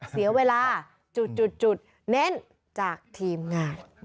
เสียเวลาจุดเน้นจากทีมงาน